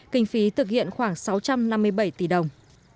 kinh phí thực hiện khoảng sáu trăm năm mươi bảy tỷ đồng